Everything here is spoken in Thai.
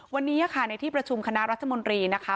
วันนี้ค่ะในที่ประชุมคณะรัฐมนตรีนะคะ